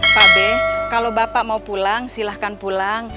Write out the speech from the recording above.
pabe kalau bapak mau pulang silahkan pulang